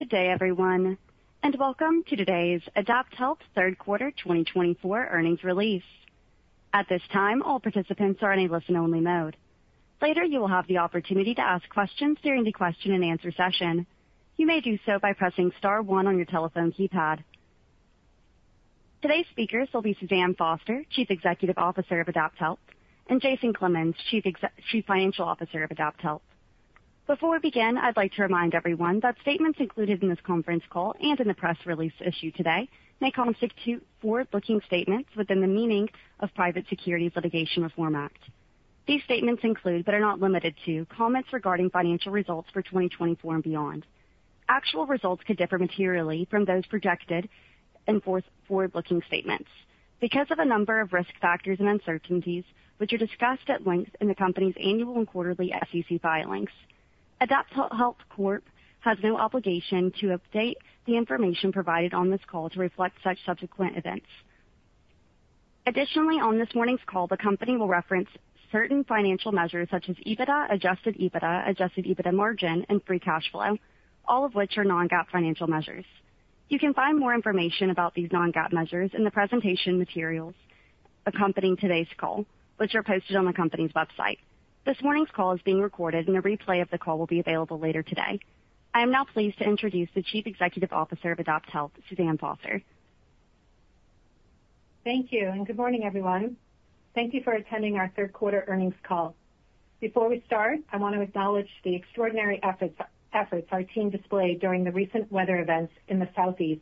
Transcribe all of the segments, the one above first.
Good day, everyone, and welcome to today's AdaptHealth Q3 2024 earnings release. At this time, all participants are in a listen-only mode. Later, you will have the opportunity to ask questions during the question-and-answer session. You may do so by pressing star one on your telephone keypad. Today's speakers will be Suzanne Foster, Chief Executive Officer of AdaptHealth, and Jason Clemens, Chief Financial Officer of AdaptHealth. Before we begin, I'd like to remind everyone that statements included in this conference call and in the press release issued today may constitute forward-looking statements within the meaning of Private Securities Litigation Reform Act. These statements include, but are not limited to, comments regarding financial results for 2024 and beyond. Actual results could differ materially from those projected in forward-looking statements because of a number of risk factors and uncertainties, which are discussed at length in the company's annual and quarterly SEC filings. AdaptHealth Corp has no obligation to update the information provided on this call to reflect such subsequent events. Additionally, on this morning's call, the company will reference certain financial measures such as EBITDA, Adjusted EBITDA, Adjusted EBITDA margin, and free cash flow, all of which are non-GAAP financial measures. You can find more information about these non-GAAP measures in the presentation materials accompanying today's call, which are posted on the company's website. This morning's call is being recorded, and a replay of the call will be available later today. I am now pleased to introduce the Chief Executive Officer of AdaptHealth, Suzanne Foster. Thank you, and good morning, everyone. Thank you for attending our Q3 earnings call. Before we start, I want to acknowledge the extraordinary efforts our team displayed during the recent weather events in the Southeast.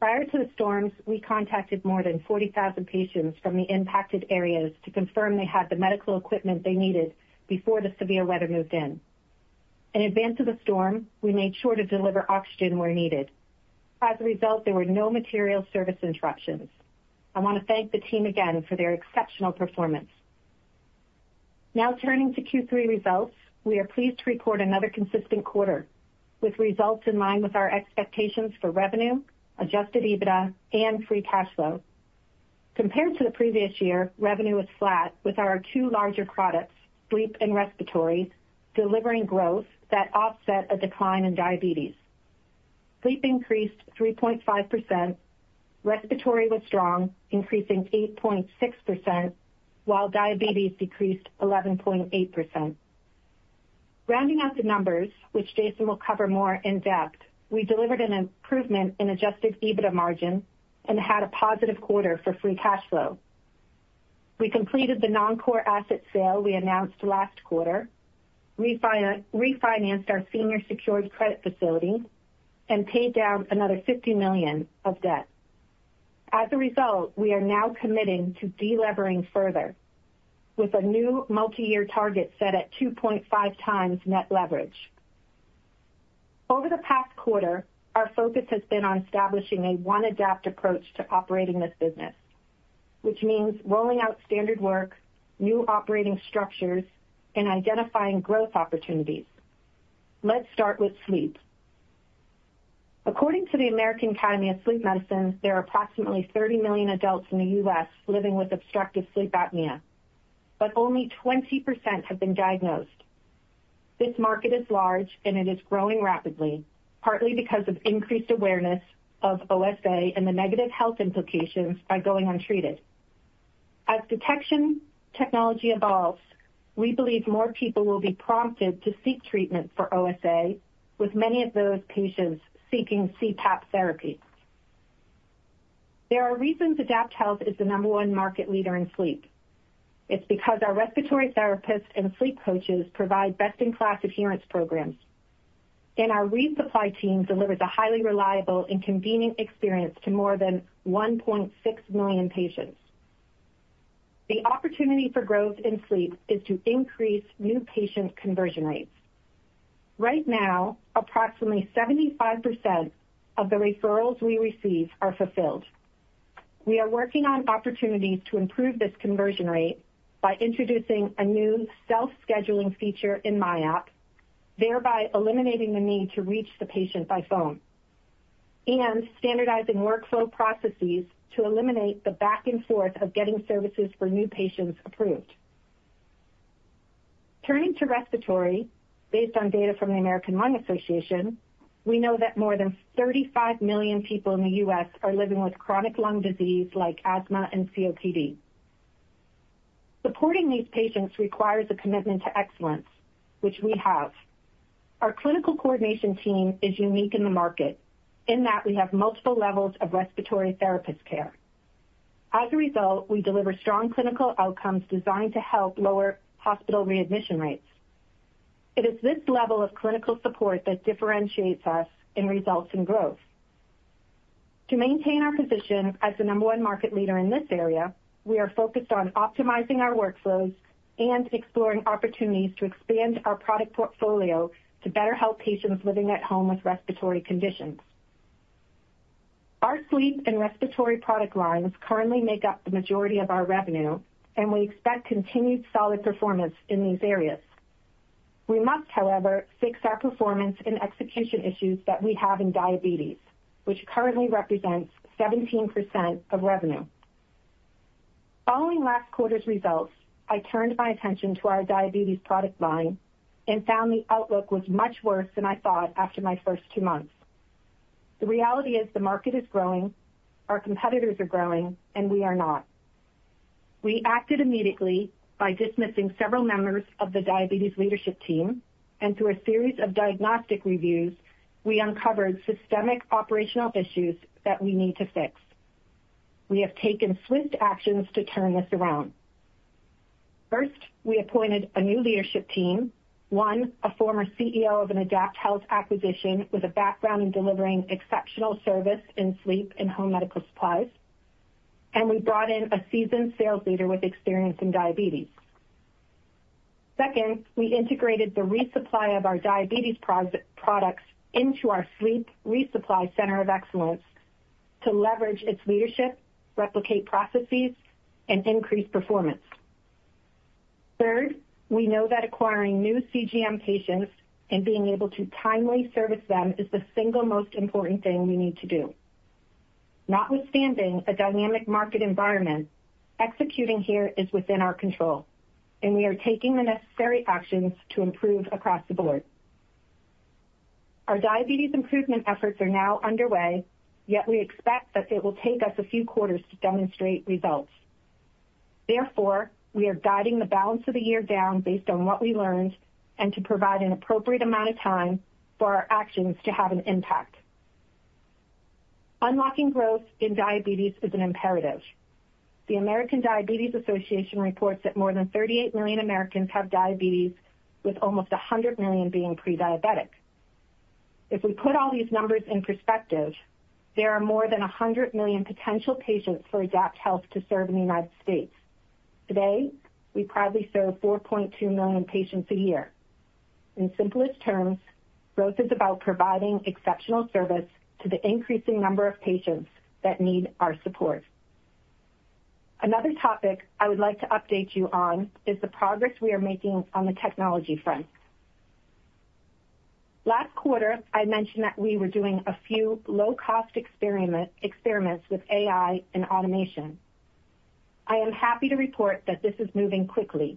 Prior to the storms, we contacted more than 40,000 patients from the impacted areas to confirm they had the medical equipment they needed before the severe weather moved in. In advance of the storm, we made sure to deliver oxygen where needed. As a result, there were no material service interruptions. I want to thank the team again for their exceptional performance. Now, turning to Q3 results, we are pleased to report another consistent quarter with results in line with our expectations for revenue, Adjusted EBITDA, and free cash flow. Compared to the previous year, revenue was flat, with our two larger products, sleep and respiratory, delivering growth that offset a decline in diabetes. Sleep increased 3.5%, respiratory was strong, increasing 8.6%, while diabetes decreased 11.8%. Rounding out the numbers, which Jason will cover more in depth, we delivered an improvement in Adjusted EBITDA margin and had a positive quarter for free cash flow. We completed the non-core asset sale we announced last quarter, refinanced our senior secured credit facility, and paid down another $50 million of debt. As a result, we are now committing to delevering further with a new multi-year target set at 2.5 times net leverage. Over the past quarter, our focus has been on establishing a one-Adapt approach to operating this business, which means rolling out standard work, new operating structures, and identifying growth opportunities. Let's start with sleep. According to the American Academy of Sleep Medicine, there are approximately 30 million adults in the U.S. living with obstructive sleep apnea, but only 20% have been diagnosed. This market is large, and it is growing rapidly, partly because of increased awareness of OSA and the negative health implications by going untreated. As detection technology evolves, we believe more people will be prompted to seek treatment for OSA, with many of those patients seeking CPAP therapy. There are reasons AdaptHealth is the number one market leader in sleep. It's because our respiratory therapists and sleep coaches provide best-in-class adherence programs, and our resupply team delivers a highly reliable and convenient experience to more than 1.6 million patients. The opportunity for growth in sleep is to increase new patient conversion rates. Right now, approximately 75% of the referrals we receive are fulfilled. We are working on opportunities to improve this conversion rate by introducing a new self-scheduling feature in myApp, thereby eliminating the need to reach the patient by phone, and standardizing workflow processes to eliminate the back-and-forth of getting services for new patients approved. Turning to respiratory, based on data from the American Lung Association, we know that more than 35 million people in the U.S. are living with chronic lung disease like asthma and COPD. Supporting these patients requires a commitment to excellence, which we have. Our clinical coordination team is unique in the market in that we have multiple levels of respiratory therapist care. As a result, we deliver strong clinical outcomes designed to help lower hospital readmission rates. It is this level of clinical support that differentiates us in results and growth. To maintain our position as the number one market leader in this area, we are focused on optimizing our workflows and exploring opportunities to expand our product portfolio to better help patients living at home with respiratory conditions. Our sleep and respiratory product lines currently make up the majority of our revenue, and we expect continued solid performance in these areas. We must, however, fix our performance and execution issues that we have in diabetes, which currently represents 17% of revenue. Following last quarter's results, I turned my attention to our diabetes product line and found the outlook was much worse than I thought after my first two months. The reality is the market is growing, our competitors are growing, and we are not. We acted immediately by dismissing several members of the diabetes leadership team, and through a series of diagnostic reviews, we uncovered systemic operational issues that we need to fix. We have taken swift actions to turn this around. First, we appointed a new leadership team, one a former CEO of an AdaptHealth acquisition with a background in delivering exceptional service in sleep and home medical supplies, and we brought in a seasoned sales leader with experience in diabetes. Second, we integrated the resupply of our diabetes products into our Sleep Resupply Center of Excellence to leverage its leadership, replicate processes, and increase performance. Third, we know that acquiring new CGM patients and being able to timely service them is the single most important thing we need to do. Notwithstanding a dynamic market environment, executing here is within our control, and we are taking the necessary actions to improve across the board. Our diabetes improvement efforts are now underway, yet we expect that it will take us a few quarters to demonstrate results. Therefore, we are guiding the balance of the year down based on what we learned and to provide an appropriate amount of time for our actions to have an impact. Unlocking growth in diabetes is an imperative. The American Diabetes Association reports that more than 38 million Americans have diabetes, with almost 100 million being prediabetic. If we put all these numbers in perspective, there are more than 100 million potential patients for AdaptHealth to serve in the United States. Today, we proudly serve 4.2 million patients a year. In simplest terms, growth is about providing exceptional service to the increasing number of patients that need our support. Another topic I would like to update you on is the progress we are making on the technology front. Last quarter, I mentioned that we were doing a few low-cost experiments with AI and automation. I am happy to report that this is moving quickly,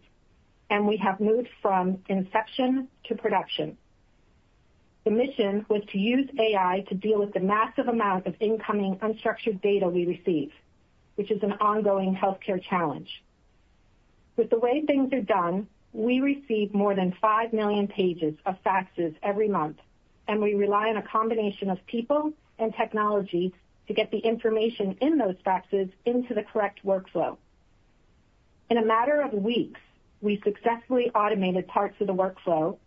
and we have moved from inception to production. The mission was to use AI to deal with the massive amount of incoming unstructured data we receive, which is an ongoing healthcare challenge. With the way things are done, we receive more than five million pages of faxes every month, and we rely on a combination of people and technology to get the information in those faxes into the correct workflow. In a matter of weeks, we successfully automated parts of the workflow,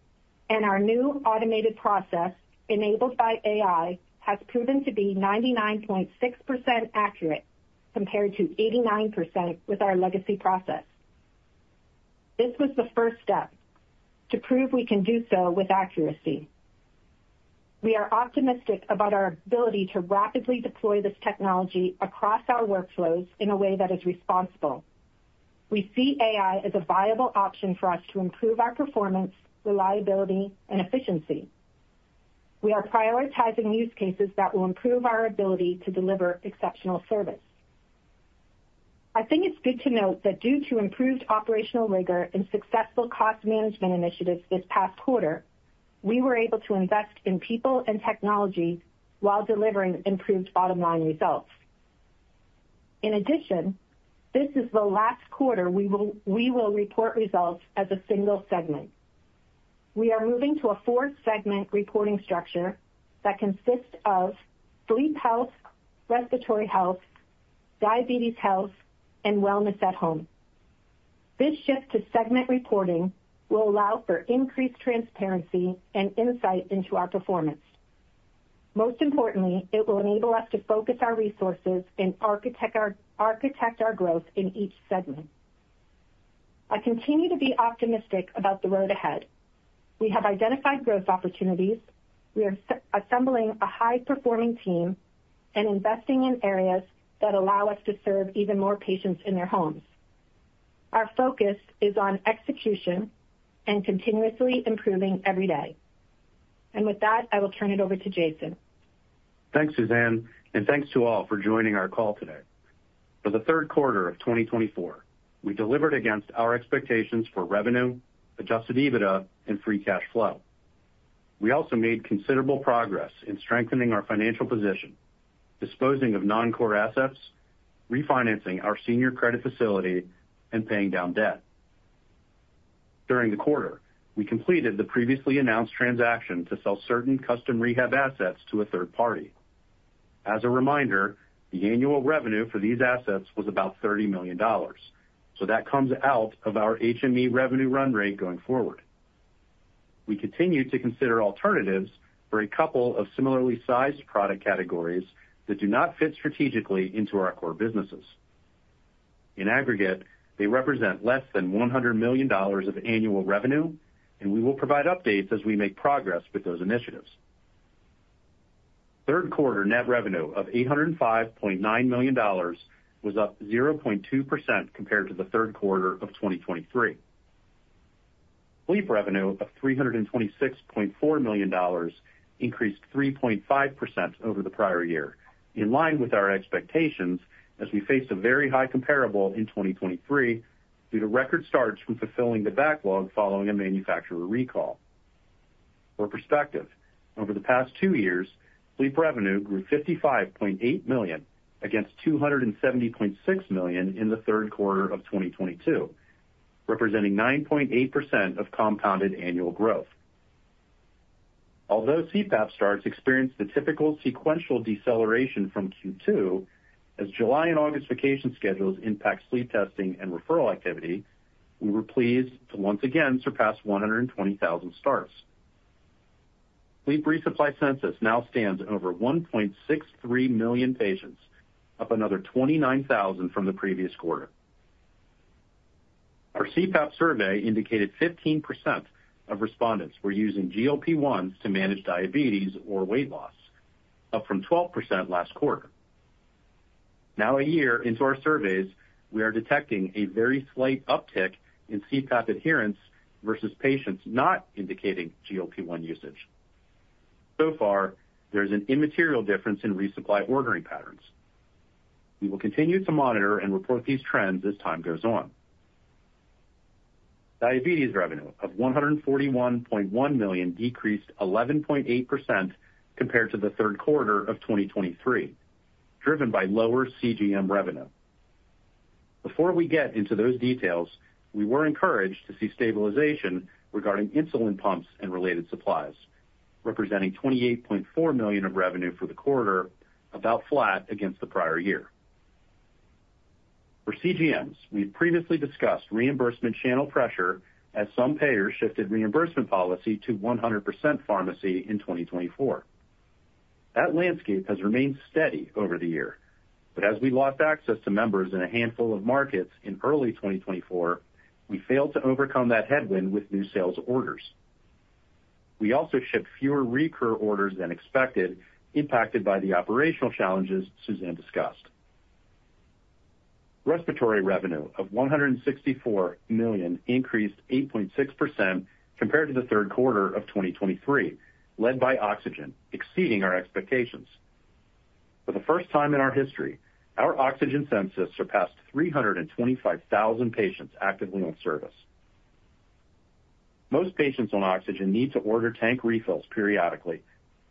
and our new automated process enabled by AI has proven to be 99.6% accurate compared to 89% with our legacy process. This was the first step to prove we can do so with accuracy. We are optimistic about our ability to rapidly deploy this technology across our workflows in a way that is responsible. We see AI as a viable option for us to improve our performance, reliability, and efficiency. We are prioritizing use cases that will improve our ability to deliver exceptional service. I think it's good to note that due to improved operational rigor and successful cost management initiatives this past quarter, we were able to invest in people and technology while delivering improved bottom-line results. In addition, this is the last quarter we will report results as a single segment. We are moving to a four-segment reporting structure that consists of Sleep Health, Respiratory Health, Diabetes Health, and Wellness at Home. This shift to segment reporting will allow for increased transparency and insight into our performance. Most importantly, it will enable us to focus our resources and architect our growth in each segment. I continue to be optimistic about the road ahead. We have identified growth opportunities. We are assembling a high-performing team and investing in areas that allow us to serve even more patients in their homes. Our focus is on execution and continuously improving every day. And with that, I will turn it over to Jason. Thanks, Suzanne, and thanks to all for joining our call today. For the Q3 of 2024, we delivered against our expectations for revenue, Adjusted EBITDA, and Free Cash Flow. We also made considerable progress in strengthening our financial position, disposing of non-core assets, refinancing our senior credit facility, and paying down debt. During the quarter, we completed the previously announced transaction to sell certain custom rehab assets to a third party. As a reminder, the annual revenue for these assets was about $30 million, so that comes out of our HME revenue run rate going forward. We continue to consider alternatives for a couple of similarly sized product categories that do not fit strategically into our core businesses. In aggregate, they represent less than $100 million of annual revenue, and we will provide updates as we make progress with those initiatives. Q3 net revenue of $805.9 million was up 0.2% compared to the Q3 of 2023. Sleep revenue of $326.4 million increased 3.5% over the prior year, in line with our expectations as we faced a very high comparable in 2023 due to record starts from fulfilling the backlog following a manufacturer recall. For perspective, over the past two years, sleep revenue grew $55.8 million against $270.6 million in the Q3 of 2022, representing 9.8% of compounded annual growth. Although CPAP starts experienced the typical sequential deceleration from Q2, as July and August vacation schedules impact sleep testing and referral activity, we were pleased to once again surpass 120,000 starts. Sleep resupply census now stands at over 1.63 million patients, up another 29,000 from the previous quarter. Our CPAP survey indicated 15% of respondents were using GLP-1s to manage diabetes or weight loss, up from 12% last quarter. Now, a year into our surveys, we are detecting a very slight uptick in CPAP adherence versus patients not indicating GLP-1 usage. So far, there is an immaterial difference in resupply ordering patterns. We will continue to monitor and report these trends as time goes on. Diabetes revenue of $141.1 million decreased 11.8% compared to the Q3 of 2023, driven by lower CGM revenue. Before we get into those details, we were encouraged to see stabilization regarding insulin pumps and related supplies, representing $28.4 million of revenue for the quarter, about flat against the prior year. For CGMs, we previously discussed reimbursement channel pressure as some payers shifted reimbursement policy to 100% pharmacy in 2024. That landscape has remained steady over the year, but as we lost access to members in a handful of markets in early 2024, we failed to overcome that headwind with new sales orders. We also shipped fewer recur orders than expected, impacted by the operational challenges Suzanne discussed. Respiratory revenue of $164 million increased 8.6% compared to the Q3 of 2023, led by oxygen, exceeding our expectations. For the first time in our history, our oxygen census surpassed 325,000 patients actively on service. Most patients on oxygen need to order tank refills periodically,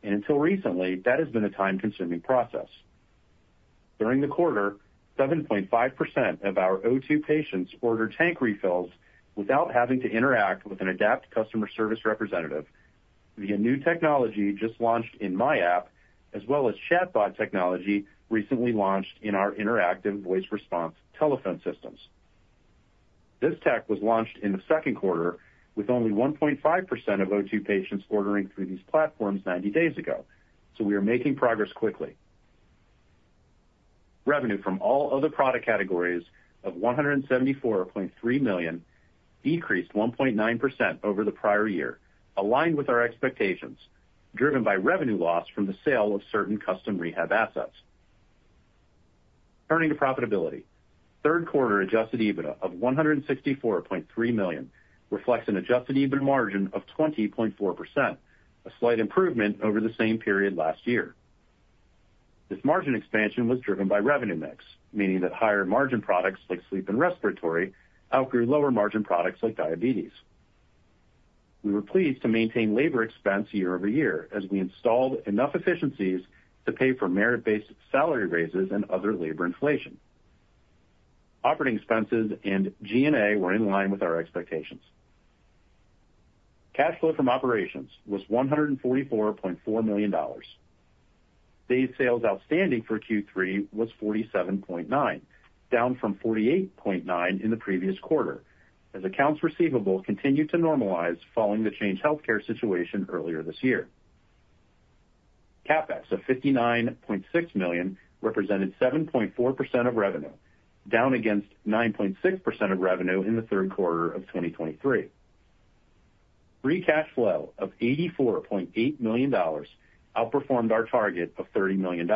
and until recently, that has been a time-consuming process. During the quarter, 7.5% of our O2 patients ordered tank refills without having to interact with an AdaptHealth customer service representative via new technology just launched in MyApp, as well as chatbot technology recently launched in our interactive voice response telephone systems. This tech was launched in the Q2, with only 1.5% of O2 patients ordering through these platforms 90 days ago, so we are making progress quickly. Revenue from all other product categories of $174.3 million decreased 1.9% over the prior year, aligned with our expectations, driven by revenue loss from the sale of certain custom rehab assets. Turning to profitability, Q3 adjusted EBITDA of $164.3 million reflects an adjusted EBITDA margin of 20.4%, a slight improvement over the same period last year. This margin expansion was driven by revenue mix, meaning that higher margin products like sleep and respiratory outgrew lower margin products like diabetes. We were pleased to maintain labor expense year over year as we installed enough efficiencies to pay for merit-based salary raises and other labor inflation. Operating expenses and G&A were in line with our expectations. Cash flow from operations was $144.4 million. Sales outstanding for Q3 was 47.9, down from 48.9 in the previous quarter, as accounts receivable continued to normalize following the Change Healthcare situation earlier this year. CapEx of $59.6 million represented 7.4% of revenue, down against 9.6% of revenue in the Q3 of 2023. Free cash flow of $84.8 million outperformed our target of $30 million.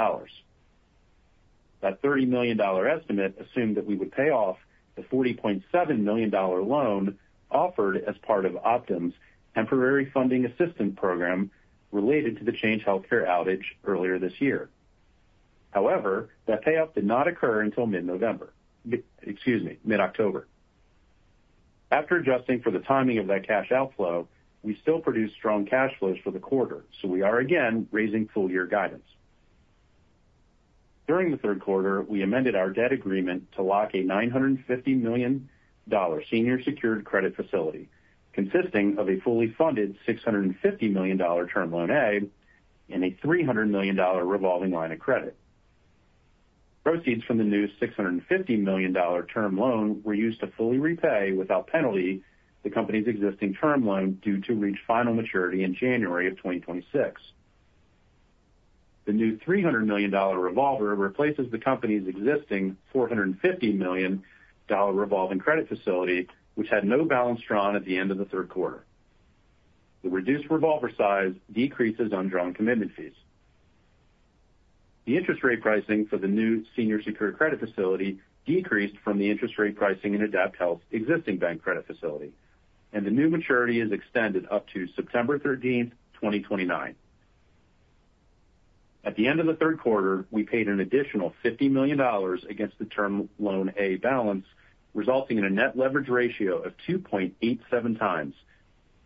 That $30 million estimate assumed that we would pay off the $40.7 million loan offered as part of Optum's temporary funding assistance program related to the Change Healthcare outage earlier this year. However, that payout did not occur until mid-November, excuse me, mid-October. After adjusting for the timing of that cash outflow, we still produced strong cash flows for the quarter, so we are again raising full-year guidance. During the Q3, we amended our debt agreement to lock a $950 million senior secured credit facility, consisting of a fully funded $650 million Term Loan A and a $300 million revolving line of credit. Proceeds from the new $650 million term loan were used to fully repay without penalty the company's existing term loan due to reach final maturity in January of 2026. The new $300 million revolver replaces the company's existing $450 million revolving credit facility, which had no balance drawn at the end of the Q3. The reduced revolver size decreases undrawn commitment fees. The interest rate pricing for the new senior secured credit facility decreased from the interest rate pricing in AdaptHealth's existing bank credit facility, and the new maturity is extended up to September 13, 2029. At the end of the Q3, we paid an additional $50 million against the term loan outstanding balance, resulting in a net leverage ratio of 2.87 times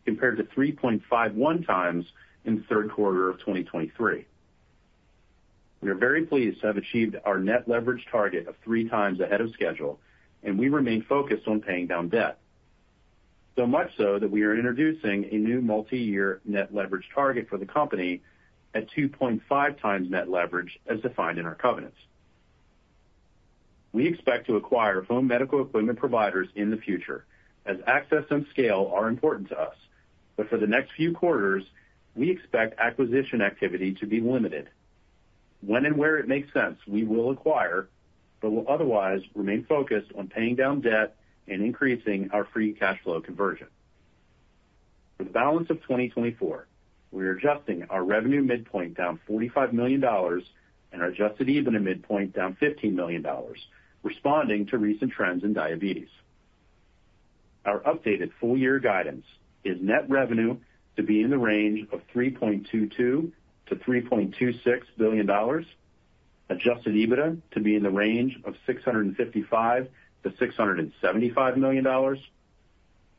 compared to 3.51 times in Q3 of 2023. We are very pleased to have achieved our net leverage target of three times ahead of schedule, and we remain focused on paying down debt, so much so that we are introducing a new multi-year net leverage target for the company at 2.5 times net leverage as defined in our covenants. We expect to acquire home medical equipment providers in the future, as access and scale are important to us, but for the next few quarters, we expect acquisition activity to be limited. When and where it makes sense, we will acquire, but will otherwise remain focused on paying down debt and increasing our free cash flow conversion. For the balance of 2024, we are adjusting our revenue midpoint down $45 million and our Adjusted EBITDA midpoint down $15 million, responding to recent trends in diabetes. Our updated full-year guidance is net revenue to be in the range of $3.22-$3.26 billion, Adjusted EBITDA to be in the range of $655-$675 million.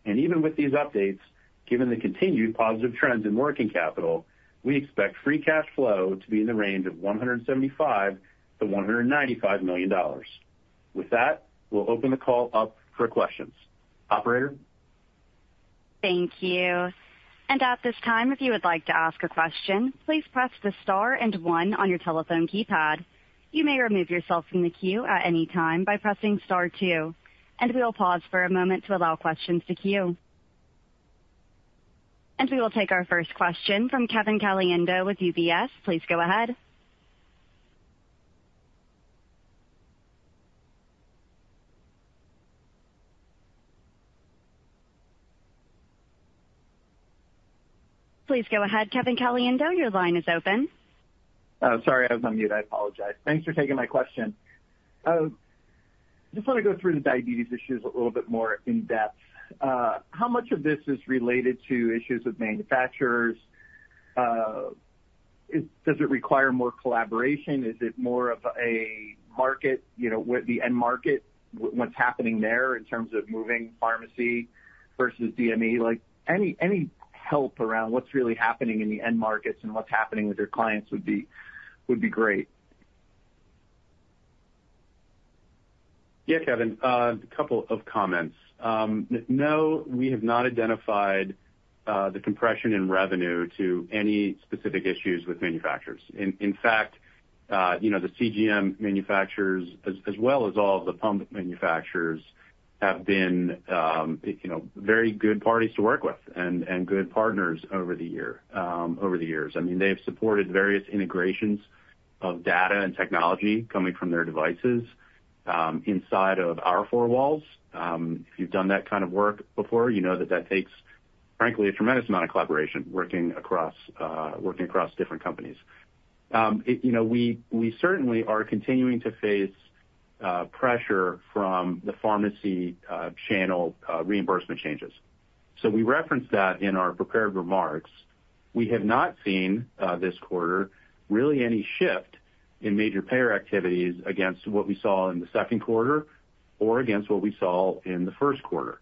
And even with these updates, given the continued positive trends in working capital, we expect free cash flow to be in the range of $175-$195 million. With that, we'll open the call up for questions. Operator. Thank you. At this time, if you would like to ask a question, please press the star and one on your telephone keypad. You may remove yourself from the queue at any time by pressing star two, and we'll pause for a moment to allow questions to queue. We will take our first question from Kevin Caliendo with UBS. Please go ahead. Please go ahead, Kevin Caliendo. Your line is open. Sorry, I was on mute. I apologize. Thanks for taking my question. I just want to go through the diabetes issues a little bit more in depth. How much of this is related to issues with manufacturers? Does it require more collaboration? Is it more of a market, the end market, what's happening there in terms of moving pharmacy versus DME? Any help around what's really happening in the end markets and what's happening with your clients would be great. Yeah, Kevin, a couple of comments. No, we have not identified the compression in revenue to any specific issues with manufacturers. In fact, the CGM manufacturers, as well as all of the pump manufacturers, have been very good parties to work with and good partners over the years. I mean, they have supported various integrations of data and technology coming from their devices inside of our four walls. If you've done that kind of work before, you know that that takes, frankly, a tremendous amount of collaboration working across different companies. We certainly are continuing to face pressure from the pharmacy channel reimbursement changes. So we referenced that in our prepared remarks. We have not seen this quarter really any shift in major payer activities against what we saw in the Q2 or against what we saw in the Q1.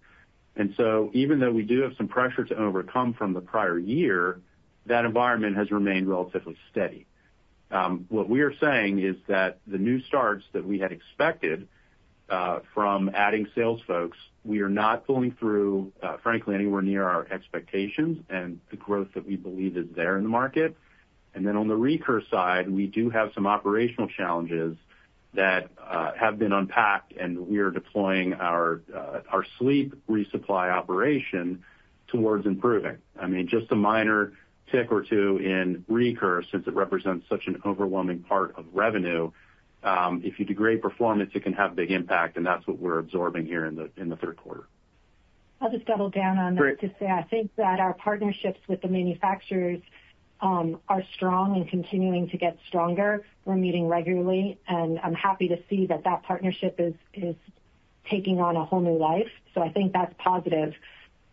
And so even though we do have some pressure to overcome from the prior year, that environment has remained relatively steady. What we are saying is that the new starts that we had expected from adding sales folks, we are not pulling through, frankly, anywhere near our expectations and the growth that we believe is there in the market. And then on the recur side, we do have some operational challenges that have been unpacked, and we are deploying our sleep resupply operation towards improving. I mean, just a minor tick or two in recur since it represents such an overwhelming part of revenue. If you degrade performance, it can have a big impact, and that's what we're absorbing here in the Q3. I'll just double down on that. I think that our partnerships with the manufacturers are strong and continuing to get stronger. We're meeting regularly, and I'm happy to see that that partnership is taking on a whole new life. So I think that's positive.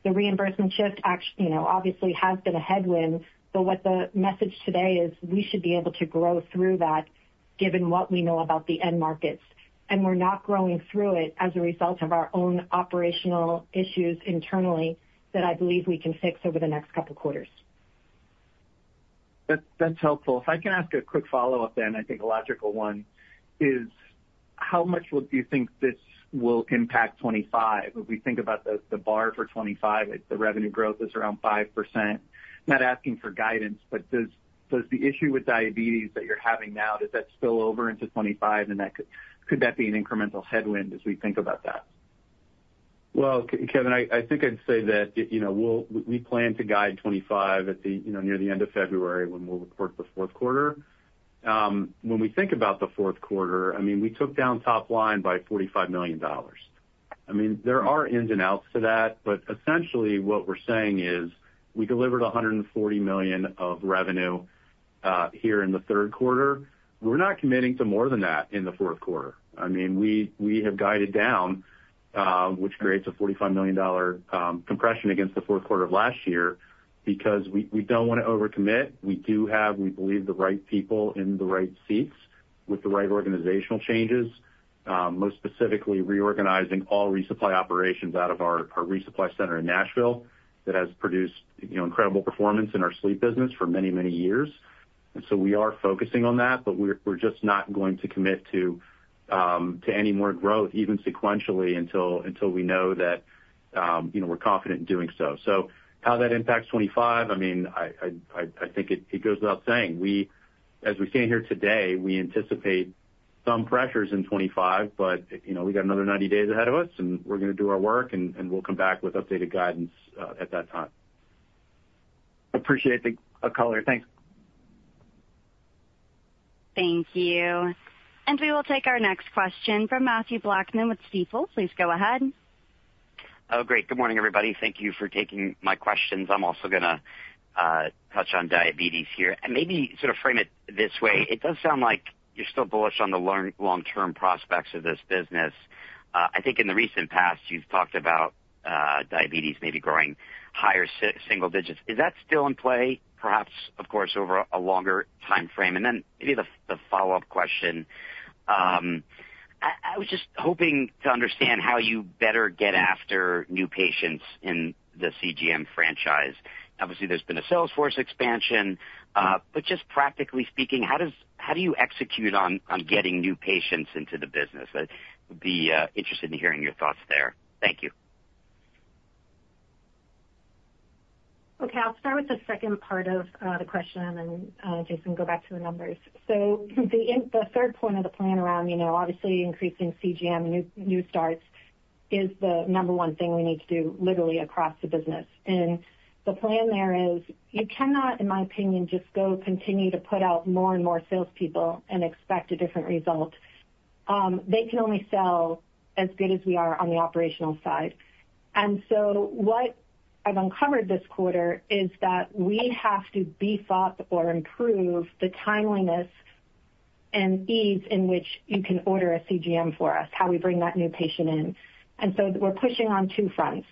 The reimbursement shift obviously has been a headwind, but what the message today is we should be able to grow through that given what we know about the end markets. And we're not growing through it as a result of our own operational issues internally that I believe we can fix over the next couple of quarters. That's helpful. If I can ask a quick follow-up then, I think a logical one is how much do you think this will impact 2025? If we think about the bar for 2025, the revenue growth is around 5%. Not asking for guidance, but does the issue with diabetes that you're having now, does that spill over into 2025? And could that be an incremental headwind as we think about that? Well, Kevin, I think I'd say that we plan to guide 2025 near the end of February when we'll report the Q4. When we think about the Q4, I mean, we took down top line by $45 million. I mean, there are ins and outs to that, but essentially what we're saying is we delivered $140 million of revenue here in the Q4. We're not committing to more than that in the Q4. I mean, we have guided down, which creates a $45 million compression against the Q4 of last year because we don't want to overcommit. We do have, we believe, the right people in the right seats with the right organizational changes, most specifically reorganizing all resupply operations out of our resupply center in Nashville that has produced incredible performance in our sleep business for many, many years. We are focusing on that, but we're just not going to commit to any more growth, even sequentially, until we know that we're confident in doing so. So how that impacts 2025, I mean, I think it goes without saying. As we stand here today, we anticipate some pressures in 2025, but we got another 90 days ahead of us, and we're going to do our work, and we'll come back with updated guidance at that time. Appreciate the color. Thanks. Thank you. And we will take our next question from Mathew Blackman with Stifel. Please go ahead. Oh, great. Good morning, everybody. Thank you for taking my questions. I'm also going to touch on diabetes here, and maybe sort of frame it this way. It does sound like you're still bullish on the long-term prospects of this business. I think in the recent past, you've talked about diabetes maybe growing higher single digits. Is that still in play, perhaps, of course, over a longer time frame, and then maybe the follow-up question. I was just hoping to understand how you better get after new patients in the CGM franchise. Obviously, there's been a sales force expansion, but just practically speaking, how do you execute on getting new patients into the business? I'd be interested in hearing your thoughts there. Thank you. Okay. I'll start with the second part of the question, and then Jason can go back to the numbers. So the third point of the plan around obviously increasing CGM and new starts is the number one thing we need to do literally across the business. And the plan there is you cannot, in my opinion, just go continue to put out more and more salespeople and expect a different result. They can only sell as good as we are on the operational side. And so what I've uncovered this quarter is that we have to beef up or improve the timeliness and ease in which you can order a CGM for us, how we bring that new patient in. And so we're pushing on two fronts.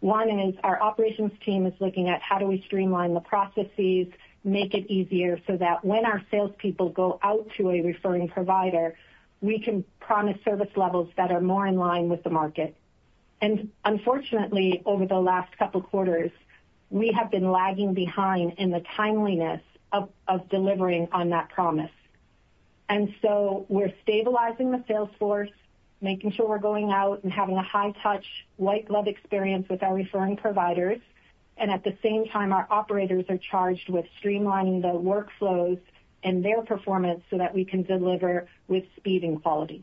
One is our operations team is looking at how do we streamline the processes, make it easier so that when our salespeople go out to a referring provider, we can promise service levels that are more in line with the market. And unfortunately, over the last couple of quarters, we have been lagging behind in the timeliness of delivering on that promise. And so we're stabilizing the sales force, making sure we're going out and having a high-touch, white-glove experience with our referring providers. And at the same time, our operators are charged with streamlining the workflows and their performance so that we can deliver with speed and quality.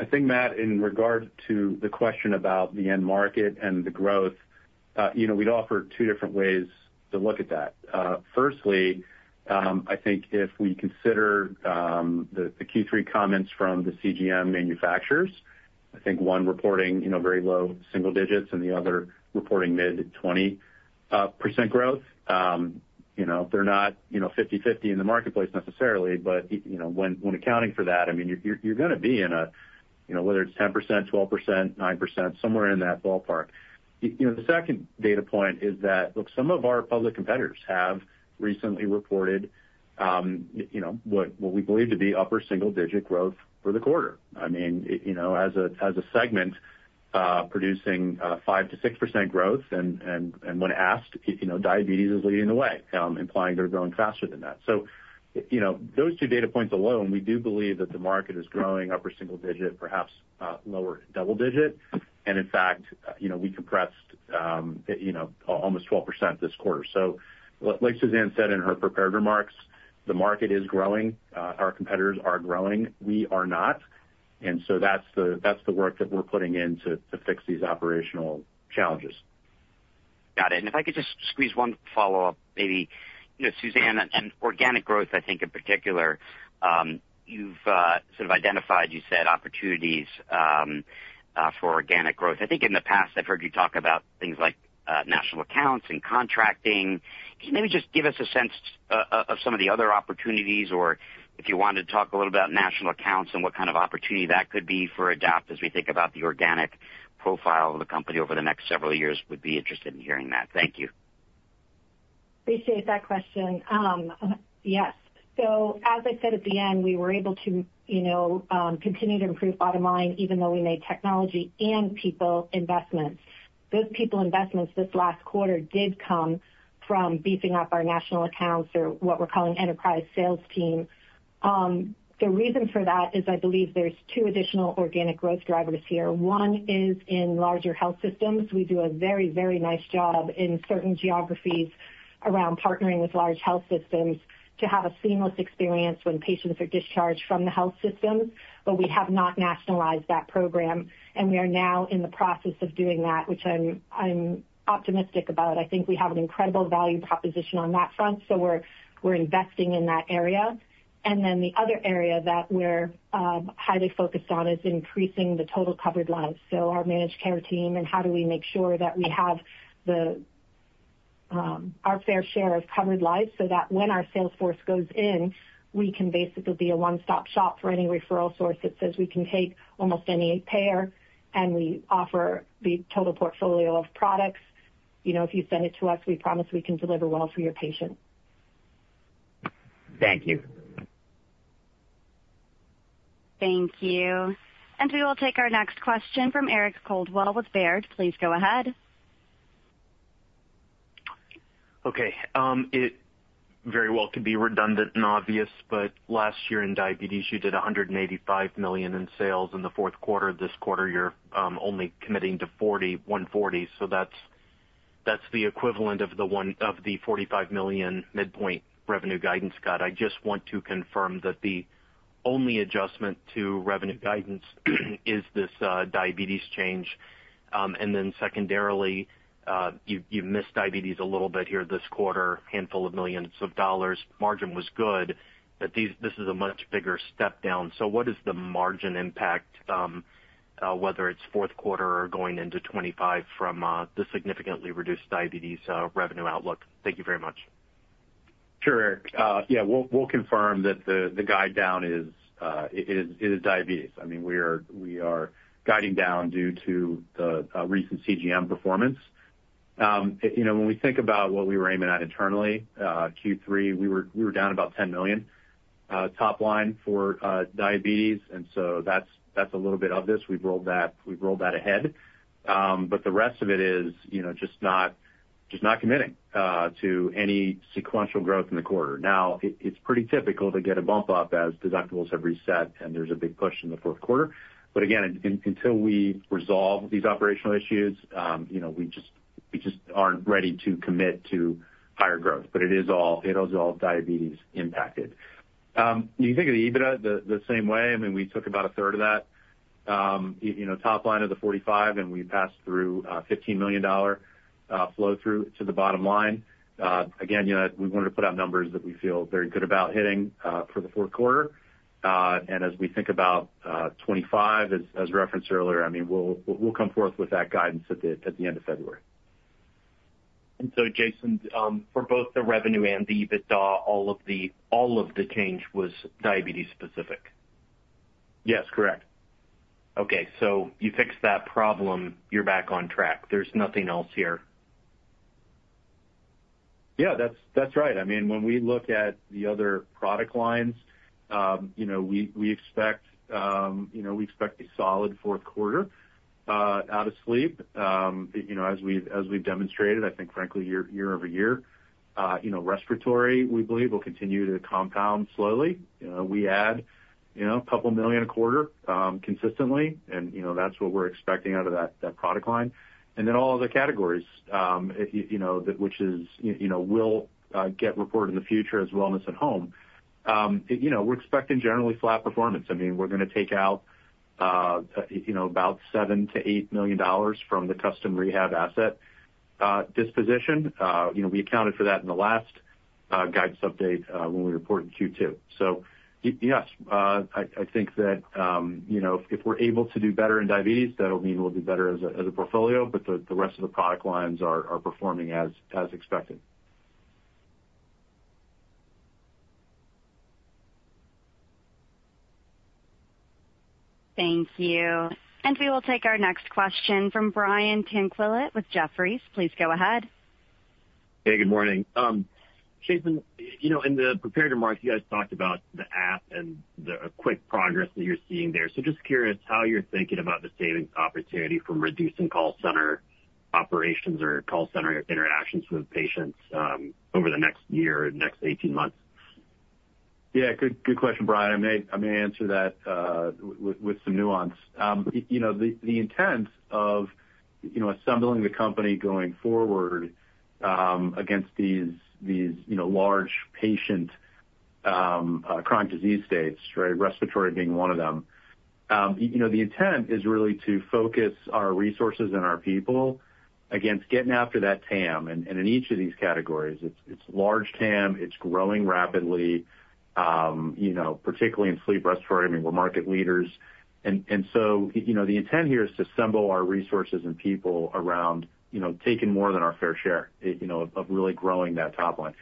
I think, Matt, in regard to the question about the end market and the growth, we'd offer two different ways to look at that. Firstly, I think if we consider the Q3 comments from the CGM manufacturers, I think one reporting very low single digits and the other reporting mid-20% growth. They're not 50/50 in the marketplace necessarily, but when accounting for that, I mean, you're going to be in a, whether it's 10%, 12%, 9%, somewhere in that ballpark. The second data point is that, look, some of our public competitors have recently reported what we believe to be upper single-digit growth for the quarter. I mean, as a segment producing 5%-6% growth, and when asked, diabetes is leading the way, implying they're growing faster than that. So those two data points alone, we do believe that the market is growing upper single digit, perhaps lower double digit. And in fact, we compressed almost 12% this quarter. So like Suzanne said in her prepared remarks, the market is growing. Our competitors are growing. We are not. And so that's the work that we're putting in to fix these operational challenges. Got it. And if I could just squeeze one follow-up, maybe. Suzanne, on organic growth, I think in particular, you've sort of identified, you said, opportunities for organic growth. I think in the past, I've heard you talk about things like national accounts and contracting. Can you maybe just give us a sense of some of the other opportunities, or if you wanted to talk a little bit about national accounts and what kind of opportunity that could be for Adapt as we think about the organic profile of the company over the next several years, we'd be interested in hearing that. Thank you. Appreciate that question. Yes. So as I said at the end, we were able to continue to improve bottom line even though we made technology and people investments. Those people investments this last quarter did come from beefing up our national accounts or what we're calling enterprise sales team. The reason for that is I believe there's two additional organic growth drivers here. One is in larger health systems. We do a very, very nice job in certain geographies around partnering with large health systems to have a seamless experience when patients are discharged from the health system, but we have not nationalized that program, and we are now in the process of doing that, which I'm optimistic about. I think we have an incredible value proposition on that front, so we're investing in that area. And then the other area that we're highly focused on is increasing the total covered lives. So our managed care team and how do we make sure that we have our fair share of covered lives so that when our Salesforce goes in, we can basically be a one-stop shop for any referral source that says we can take almost any payer, and we offer the total portfolio of products. If you send it to us, we promise we can deliver well for your patient. Thank you. Thank you. And we will take our next question from Eric Coldwell with Baird. Please go ahead. Okay. It very well could be redundant and obvious, but last year in diabetes, you did $185 million in sales in the Q4. This quarter, you're only committing to $140 million. So that's the equivalent of the $45 million midpoint revenue guidance cut. I just want to confirm that the only adjustment to revenue guidance is this diabetes change. And then secondarily, you missed diabetes a little bit here this quarter, a handful of millions of dollars. Margin was good, but this is a much bigger step down. So what is the margin impact, whether it's Q4 or going into 2025, from the significantly reduced diabetes revenue outlook? Thank you very much. Sure, Eric. Yeah, we'll confirm that the guide down is diabetes. I mean, we are guiding down due to the recent CGM performance. When we think about what we were aiming at internally, Q3, we were down about $10 million top line for diabetes. And so that's a little bit of this. We've rolled that ahead. But the rest of it is just not committing to any sequential growth in the quarter. Now, it's pretty typical to get a bump up as deductibles have reset and there's a big push in the Q4. But again, until we resolve these operational issues, we just aren't ready to commit to higher growth. But it is all diabetes impacted. You can think of the EBITDA the same way. I mean, we took about a third of that top line of the 45, and we passed through a $15 million flow through to the bottom line. Again, we wanted to put out numbers that we feel very good about hitting for the Q4. And as we think about 2025, as referenced earlier, I mean, we'll come forth with that guidance at the end of February. And so, Jason, for both the revenue and the EBITDA, all of the change was diabetes specific? Yes, correct. Okay. So you fixed that problem. You're back on track. There's nothing else here. Yeah, that's right. I mean, when we look at the other product lines, we expect a solid Q4 out of sleep, as we've demonstrated, I think, frankly, year over year. Respiratory, we believe, will continue to compound slowly. We add a couple million a quarter consistently, and that's what we're expecting out of that product line. And then all of the categories, which will get reported in the future as wellness at home, we're expecting generally flat performance. I mean, we're going to take out about $7-$8 million from the custom rehab asset disposition. We accounted for that in the last guidance update when we reported Q2. So yes, I think that if we're able to do better in diabetes, that'll mean we'll do better as a portfolio, but the rest of the product lines are performing as expected. Thank you. And we will take our next question from Brian Tanquilut with Jefferies. Please go ahead. Hey, good morning. Jason, in the prepared remarks, you guys talked about the app and the quick progress that you're seeing there. So just curious how you're thinking about the savings opportunity from reducing call center operations or call center interactions with patients over the next year, next 18 months? Yeah, good question, Brian. I may answer that with some nuance. The intent of assembling the company going forward against these large patient chronic disease states, respiratory being one of them, the intent is really to focus our resources and our people against getting after that TAM. And in each of these categories, it's large TAM. It's growing rapidly, particularly in sleep respiratory. I mean, we're market leaders. And so the intent here is to assemble our resources and people around taking more than our fair share of really growing that top line.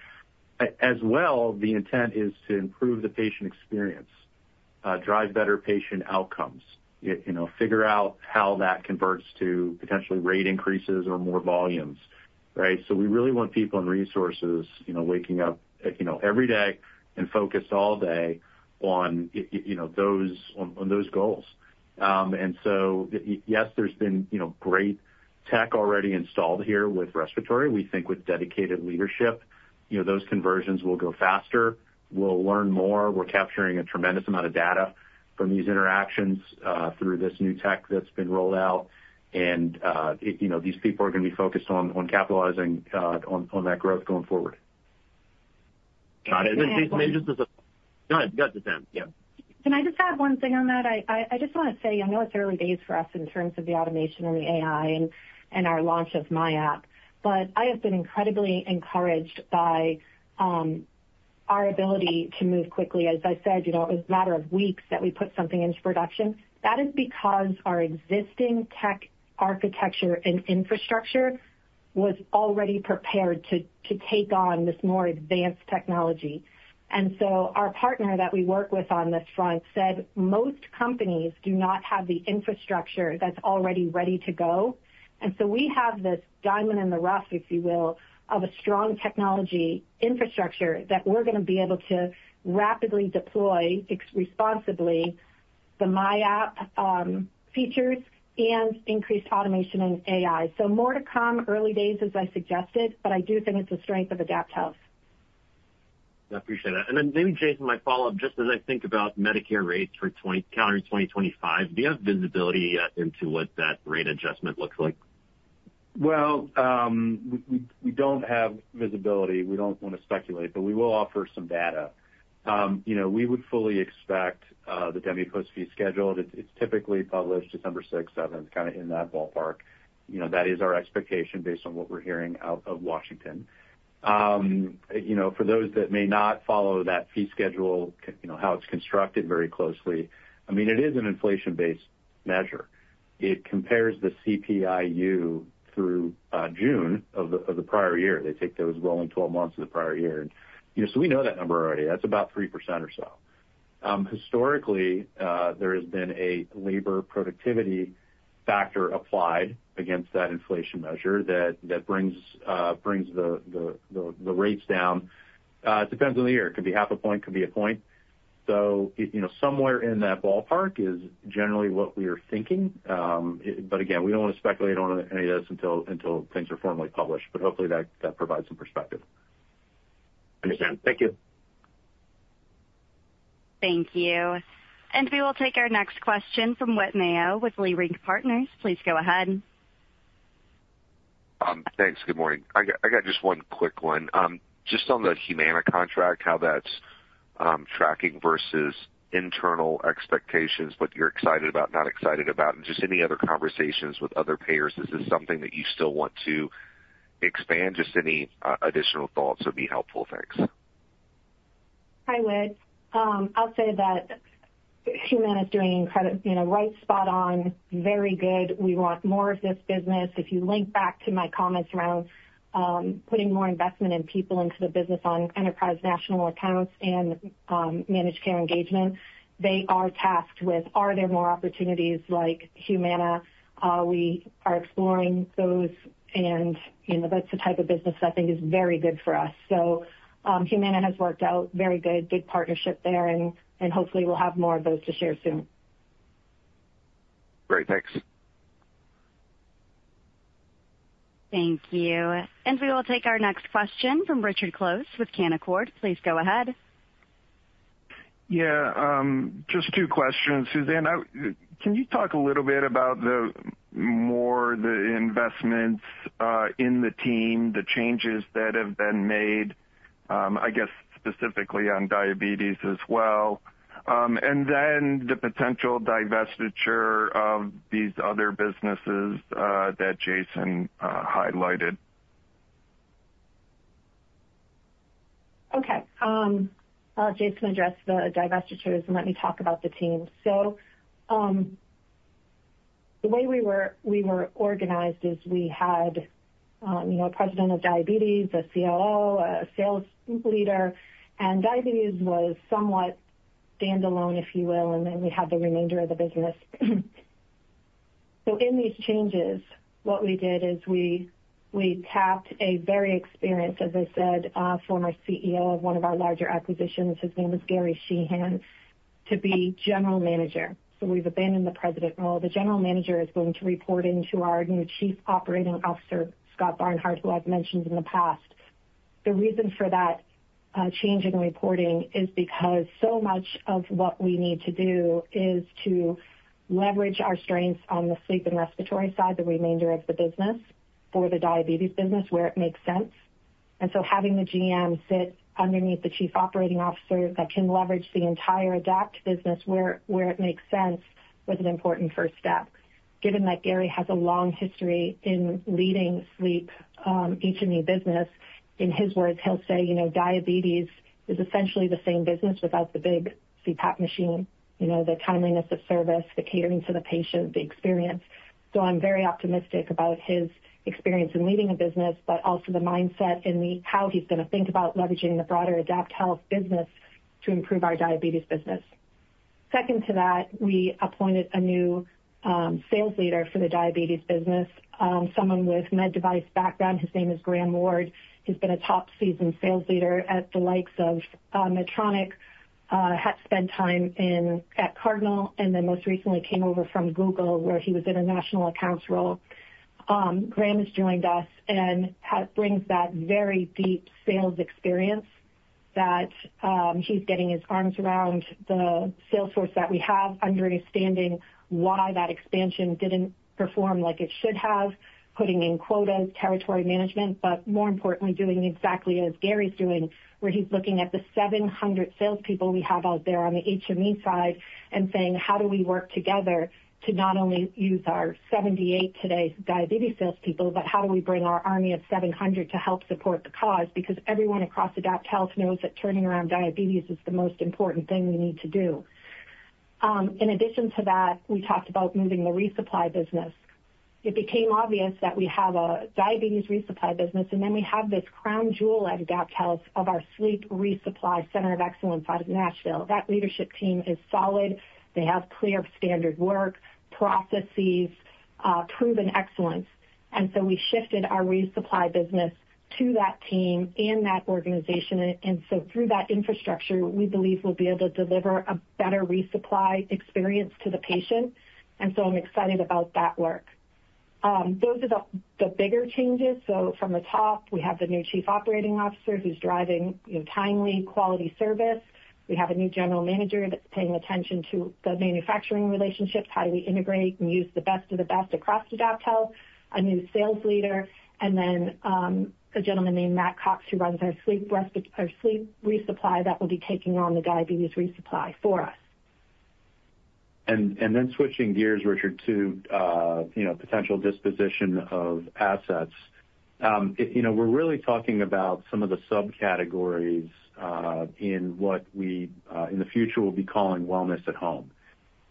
As well, the intent is to improve the patient experience, drive better patient outcomes, figure out how that converts to potentially rate increases or more volumes, right? So we really want people and resources waking up every day and focused all day on those goals. And so yes, there's been great tech already installed here with respiratory. We think with dedicated leadership, those conversions will go faster. We'll learn more. We're capturing a tremendous amount of data from these interactions through this new tech that's been rolled out, and these people are going to be focused on capitalizing on that growth going forward. Got it. And then Jason, maybe just as a, go ahead. You got the TAM. Yeah. Can I just add one thing on that? I just want to say, I know it's early days for us in terms of the automation and the AI and our launch of MyApp, but I have been incredibly encouraged by our ability to move quickly. As I said, it was a matter of weeks that we put something into production. That is because our existing tech architecture and infrastructure was already prepared to take on this more advanced technology. And so our partner that we work with on this front said most companies do not have the infrastructure that's already ready to go. And so we have this diamond in the rough, if you will, of a strong technology infrastructure that we're going to be able to rapidly deploy responsibly the MyApp features and increased automation and AI. So, more to come, early days, as I suggested, but I do think it's the strength of AdaptHealth. I appreciate that. And then maybe, Jason, my follow-up, just as I think about Medicare rates for calendar 2025, do you have visibility into what that rate adjustment looks like? We don't have visibility. We don't want to speculate, but we will offer some data. We would fully expect the DMEPOS fee schedule. It's typically published December 6th, 7th, kind of in that ballpark. That is our expectation based on what we're hearing out of Washington. For those that may not follow that fee schedule, how it's constructed very closely, I mean, it is an inflation-based measure. It compares the CPI-U through June of the prior year. They take those rolling 12 months of the prior year. So we know that number already. That's about 3% or so. Historically, there has been a labor productivity factor applied against that inflation measure that brings the rates down. It depends on the year. It could be half a point, could be a point. So somewhere in that ballpark is generally what we are thinking. But again, we don't want to speculate on any of this until things are formally published, but hopefully that provides some perspective. Understood. Thank you. Thank you. And we will take our next question from Whit Mayo with Leerink Partners. Please go ahead. Thanks. Good morning. I got just one quick one. Just on the Humana contract, how that's tracking versus internal expectations, what you're excited about, not excited about, and just any other conversations with other payers. Is this something that you still want to expand? Just any additional thoughts would be helpful. Thanks. Hi, Whit. I'll say that Humana is doing right, spot on, very good. We want more of this business. If you link back to my comments around putting more investment in people into the business on enterprise national accounts and managed care engagement, they are tasked with, are there more opportunities like Humana? We are exploring those, and that's the type of business that I think is very good for us. So Humana has worked out very good, good partnership there, and hopefully we'll have more of those to share soon. Great. Thanks. Thank you, and we will take our next question from Richard Close with Canaccord. Please go ahead. Yeah, just two questions. Suzanne, can you talk a little bit about more of the investments in the team, the changes that have been made, I guess, specifically on diabetes as well, and then the potential divestiture of these other businesses that Jason highlighted? Okay. I'll let Jason address the divestitures and let me talk about the team. So the way we were organized is we had a president of diabetes, a COO, a sales leader, and diabetes was somewhat standalone, if you will, and then we had the remainder of the business. So in these changes, what we did is we tapped a very experienced, as I said, former CEO of one of our larger acquisitions. His name is Gary Sheehan, to be general manager. So we've abandoned the president role. The general manager is going to report into our new Chief Operating Officer, Scott Barnhart, who I've mentioned in the past. The reason for that change in reporting is because so much of what we need to do is to leverage our strengths on the sleep and respiratory side, the remainder of the business for the diabetes business where it makes sense. Having the GM sit underneath the Chief Operating Officer that can leverage the entire Adapt business where it makes sense was an important first step. Given that Gary has a long history in leading sleep HME business, in his words, he'll say diabetes is essentially the same business without the big CPAP machine, the timeliness of service, the catering to the patient, the experience. So I'm very optimistic about his experience in leading a business, but also the mindset and how he's going to think about leveraging the broader AdaptHealth business to improve our diabetes business. Second to that, we appointed a new sales leader for the diabetes business, someone with med device background. His name is Graham Ward. He's been a top seasoned sales leader at the likes of Medtronic, had spent time at Cardinal, and then most recently came over from Google where he was in a national accounts role. Graham has joined us and brings that very deep sales experience that he's getting his arms around the sales force that we have, understanding why that expansion didn't perform like it should have, putting in quotas, territory management, but more importantly, doing exactly as Gary's doing, where he's looking at the 700 salespeople we have out there on the HME side and saying, "How do we work together to not only use our 78 today's diabetes salespeople, but how do we bring our army of 700 to help support the cause?" Because everyone across AdaptHealth knows that turning around diabetes is the most important thing we need to do. In addition to that, we talked about moving the resupply business. It became obvious that we have a diabetes resupply business, and then we have this crown jewel at AdaptHealth of our Sleep Resupply Center of Excellence out of Nashville. That leadership team is solid. They have clear standard work, processes, proven excellence. And so we shifted our resupply business to that team and that organization. And so through that infrastructure, we believe we'll be able to deliver a better resupply experience to the patient. And so I'm excited about that work. Those are the bigger changes. So from the top, we have the new Chief Operating Officer who's driving timely quality service. We have a new General Manager that's paying attention to the manufacturing relationships. How do we integrate and use the best of the best across AdaptHealth? A new sales leader, and then a gentleman named Matt Cox who runs our sleep resupply that will be taking on the diabetes resupply for us. Then switching gears, Richard, to potential disposition of assets. We're really talking about some of the subcategories in what we in the future will be calling wellness at home.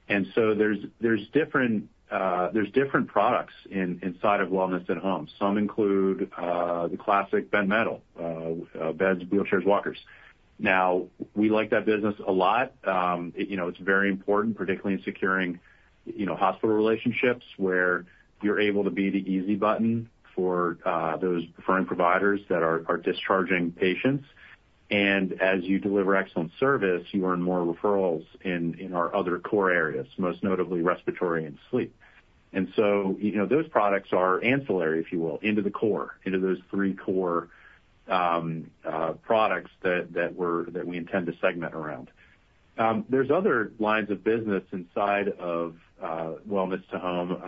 And so there's different products inside of wellness at home. Some include the classic bed and bath, beds, wheelchairs, walkers. Now, we like that business a lot. It's very important, particularly in securing hospital relationships where you're able to be the easy button for those referring providers that are discharging patients. And as you deliver excellent service, you earn more referrals in our other core areas, most notably respiratory and sleep. And so those products are ancillary, if you will, into the core, into those three core products that we intend to segment around. There's other lines of business inside of wellness at home.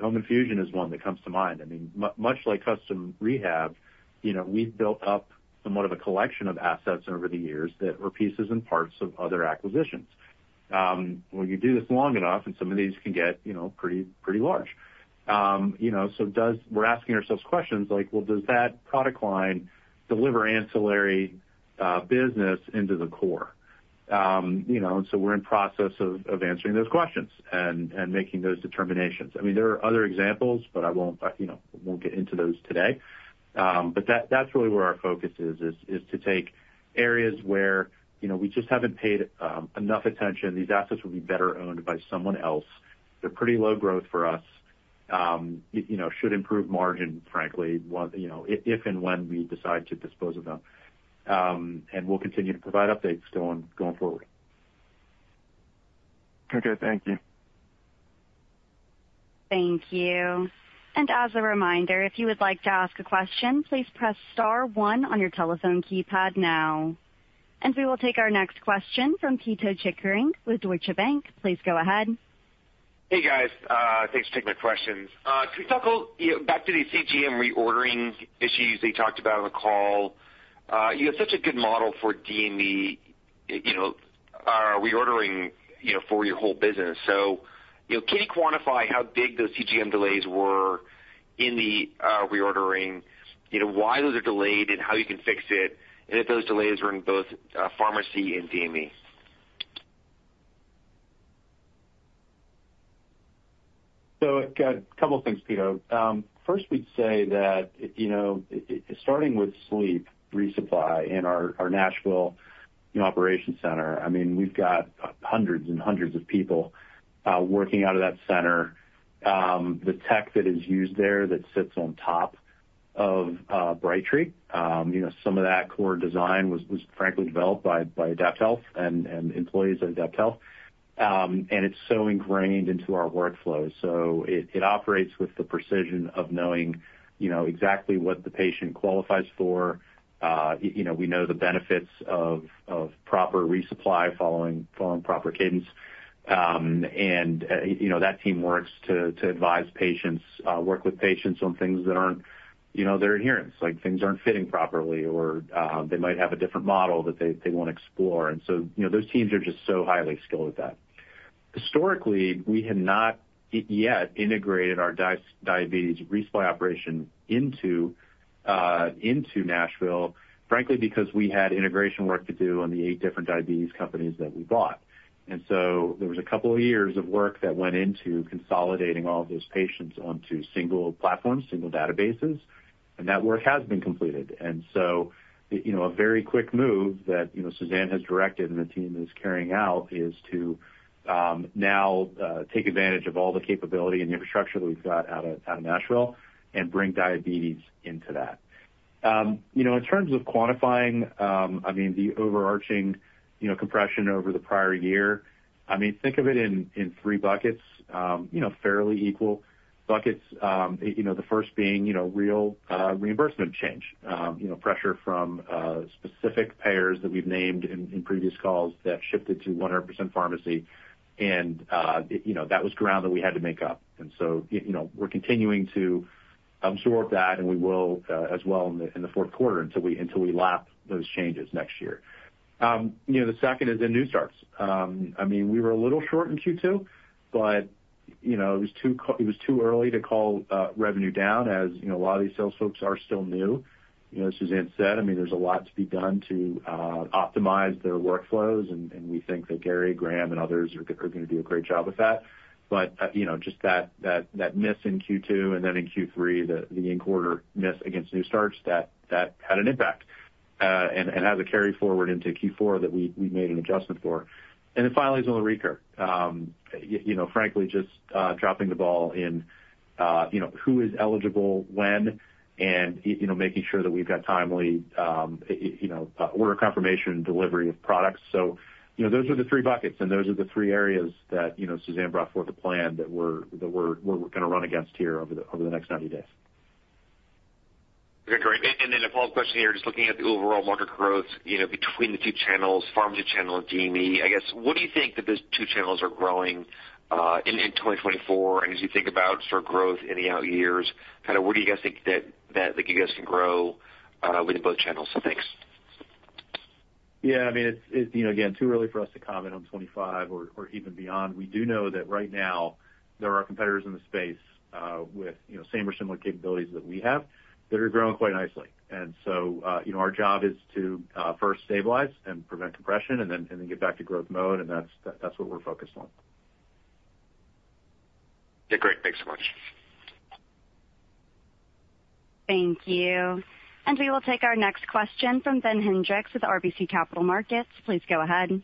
Home infusion is one that comes to mind. I mean, much like custom rehab, we've built up somewhat of a collection of assets over the years that are pieces and parts of other acquisitions. When you do this long enough, and some of these can get pretty large. So we're asking ourselves questions like, "Well, does that product line deliver ancillary business into the core?" And so we're in process of answering those questions and making those determinations. I mean, there are other examples, but I won't get into those today. But that's really where our focus is, is to take areas where we just haven't paid enough attention. These assets would be better owned by someone else. They're pretty low growth for us, should improve margin, frankly, if and when we decide to dispose of them. And we'll continue to provide updates going forward. Okay. Thank you. Thank you. And as a reminder, if you would like to ask a question, please press star one on your telephone keypad now. And we will take our next question from Pito Chickering with Deutsche Bank. Please go ahead. Hey, guys. Thanks for taking my questions. Can we talk a little back to the CGM reordering issues they talked about on the call? You have such a good model for DME reordering for your whole business. So can you quantify how big those CGM delays were in the reordering, why those are delayed, and how you can fix it, and if those delays were in both pharmacy and DME? So a couple of things, Pito. First, we'd say that starting with sleep resupply in our Nashville operations center, I mean, we've got hundreds and hundreds of people working out of that center. The tech that is used there that sits on top of Brightree, some of that core design was frankly developed by AdaptHealth and employees of AdaptHealth. And it's so ingrained into our workflow. So it operates with the precision of knowing exactly what the patient qualifies for. We know the benefits of proper resupply following proper cadence. And that team works to advise patients, work with patients on things that aren't their adherence, like things aren't fitting properly, or they might have a different model that they want to explore. And so those teams are just so highly skilled at that. Historically, we had not yet integrated our diabetes resupply operation into Nashville, frankly, because we had integration work to do on the eight different diabetes companies that we bought, and so there was a couple of years of work that went into consolidating all of those patients onto single platforms, single databases. And that work has been completed, and so a very quick move that Suzanne has directed and the team is carrying out is to now take advantage of all the capability and infrastructure that we've got out of Nashville and bring diabetes into that. In terms of quantifying, I mean, the overarching compression over the prior year, I mean, think of it in three buckets, fairly equal buckets. The first being real reimbursement change, pressure from specific payers that we've named in previous calls that shifted to 100% pharmacy. And that was ground that we had to make up. And so we're continuing to absorb that, and we will as well in the fourth quarter until we lap those changes next year. The second is in new starts. I mean, we were a little short in Q2, but it was too early to call revenue down as a lot of these sales folks are still new. Suzanne said, I mean, there's a lot to be done to optimize their workflows, and we think that Gary, Graham, and others are going to do a great job with that. But just that miss in Q2 and then in Q3, the in-quarter miss against new starts, that had an impact and has a carry forward into Q4 that we made an adjustment for. And then finally, is recur. Frankly, just dropping the ball in who is eligible when, and making sure that we've got timely order confirmation delivery of products. So those are the three buckets, and those are the three areas that Suzanne brought forth a plan that we're going to run against here over the next 90 days. Okay. Great. And then a follow-up question here, just looking at the overall market growth between the two channels, pharmacy channel and DME. I guess, what do you think that those two channels are growing in 2024? And as you think about sort of growth in the out years, kind of where do you guys think that you guys can grow within both channels? So thanks. Yeah. I mean, again, too early for us to comment on 2025 or even beyond. We do know that right now there are competitors in the space with same or similar capabilities that we have that are growing quite nicely. And so our job is to first stabilize and prevent compression and then get back to growth mode. And that's what we're focused on. Yeah. Great. Thanks so much. Thank you. And we will take our next question from Ben Hendrix with RBC Capital Markets. Please go ahead.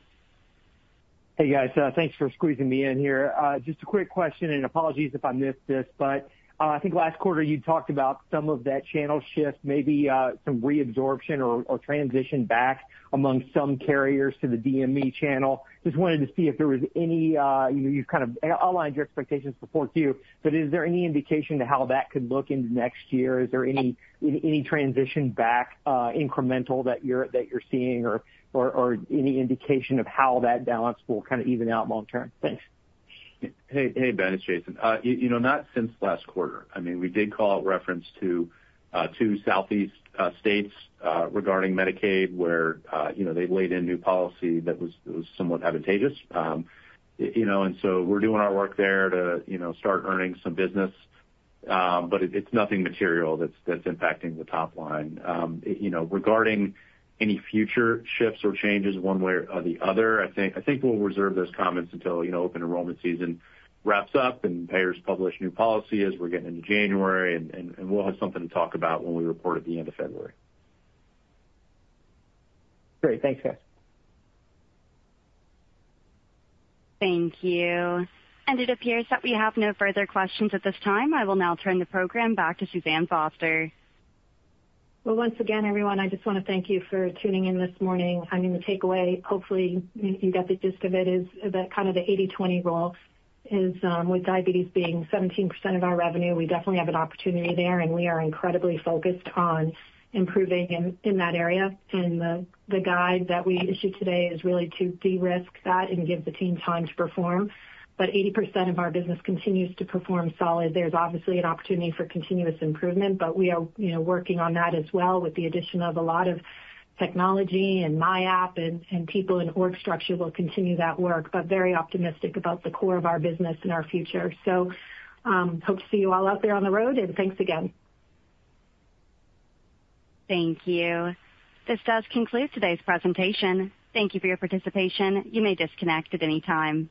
Hey, guys. Thanks for squeezing me in here. Just a quick question, and apologies if I missed this, but I think last quarter you talked about some of that channel shift, maybe some reabsorption or transition back among some carriers to the DME channel. Just wanted to see if there was any. You've kind of outlined your expectations for 4Q, but is there any indication to how that could look into next year? Is there any transition back incremental that you're seeing or any indication of how that balance will kind of even out long term? Thanks. Hey, Ben, it's Jason. Not since last quarter. I mean, we did call out reference to two Southeast states regarding Medicaid where they laid in new policy that was somewhat advantageous, and so we're doing our work there to start earning some business, but it's nothing material that's impacting the top line. Regarding any future shifts or changes one way or the other, I think we'll reserve those comments until open enrollment season wraps up and payers publish new policy as we're getting into January, and we'll have something to talk about when we report at the end of February. Great. Thanks, guys. Thank you. And it appears that we have no further questions at this time. I will now turn the program back to Suzanne Foster. Well, once again, everyone, I just want to thank you for tuning in this morning. I mean, the takeaway, hopefully, you got the gist of it, is that kind of the 80/20 rule is with diabetes being 17% of our revenue, we definitely have an opportunity there, and we are incredibly focused on improving in that area, and the guide that we issued today is really to de-risk that and give the team time to perform, but 80% of our business continues to perform solid. There's obviously an opportunity for continuous improvement, but we are working on that as well with the addition of a lot of technology and MyApp and people in org structure will continue that work, but very optimistic about the core of our business and our future, so hope to see you all out there on the road, and thanks again. Thank you. This does conclude today's presentation. Thank you for your participation. You may disconnect at any time.